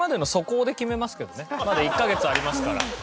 まだ１カ月ありますから。